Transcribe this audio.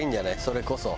それこそ。